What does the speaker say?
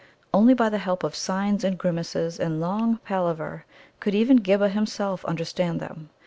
Only by the help of signs and grimaces and long palaver could even Ghibba himself understand them.